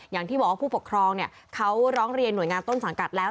อย่างที่บอกว่าผู้ปกครองเขาร้องเรียนหน่วยงานต้นสังกัดแล้ว